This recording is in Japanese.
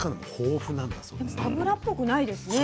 でも脂っぽくないですね。